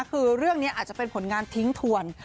คือเรื่องนี้อาจจะเป็นผลงานทิ้งถวน